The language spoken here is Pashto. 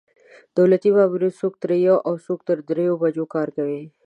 دولتي مامورین څوک تر یوې او څوک تر درېیو بجو کار کوي.